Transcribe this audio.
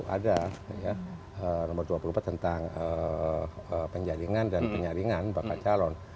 ada nomor dua puluh empat tentang penjaringan dan penyaringan bakal calon